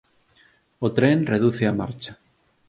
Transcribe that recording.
O tren reduce a marcha.